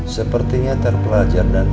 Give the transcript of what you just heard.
sepertinya terpelajar dan